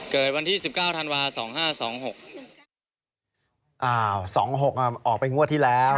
เกิดวันที่สิบเก้าธันวาสองห้าสองหกอ่าวสองหกอ่ะออกไปงวดที่แล้ว